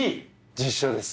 実写です。